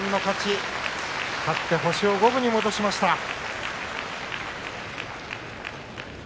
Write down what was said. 勝って星を五分に戻しました。